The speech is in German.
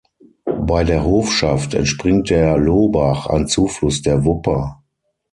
Bei der Hofschaft entspringt der Lohbach, ein Zufluss der Wupper.